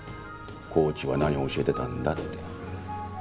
コーチは何を教えてたんだって。